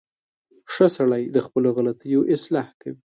• ښه سړی د خپلو غلطیو اصلاح کوي.